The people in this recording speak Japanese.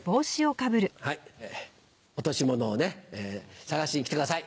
はい落とし物をね捜しに来てください。